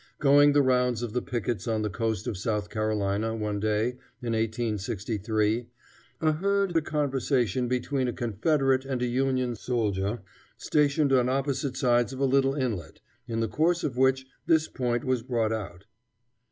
Going the rounds of the pickets on the coast of South Carolina, one day, in 1863, I heard a conversation between a Confederate and a Union soldier, stationed on opposite sides of a little inlet, in the course of which this point was brought out.